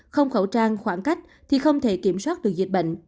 không khẩu trang khoảng cách thì không thể kiểm soát được dịch bệnh